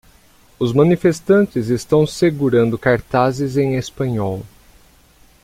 Os manifestantes estão segurando cartazes em espanhol.